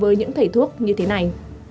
với những thầy thuốc như thế này